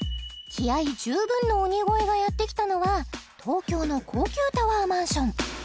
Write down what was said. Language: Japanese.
気合い十分の鬼越がやって来たのは東京の高級タワーマンション